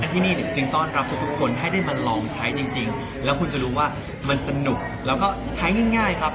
ที่นี่จึงต้อนรับทุกทุกคนให้ได้มาลองใช้จริงแล้วคุณจะรู้ว่ามันสนุกแล้วก็ใช้ง่ายครับ